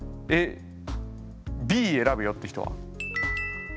Ｂ選ぶよって人は？